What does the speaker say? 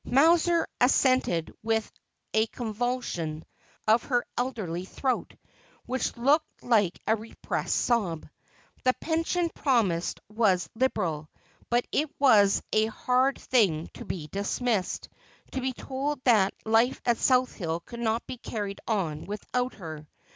Mowser assented with a convulsion of her elderly throat, which looked like a repressed sob. The pension promised was liberal ; but it was a hard thing to be dismissed, to be told that life at South Hill could be carried on without her.